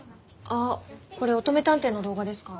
あっこれ乙女探偵の動画ですか？